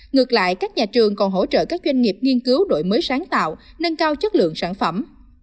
ngược lại các nhà trường còn hỗ trợ các doanh nghiệp nghiên cứu đổi mới sáng tạo nâng cao chất lượng sản phẩm